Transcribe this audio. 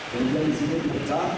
dan dia disini dipercaya